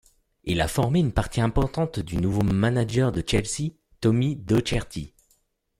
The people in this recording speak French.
Il a formé une partie importante du nouveau manager de Chelsea, Tommy Docherty.